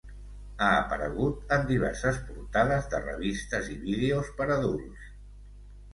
Ha aparegut en diverses portades de revistes i vídeos per adults.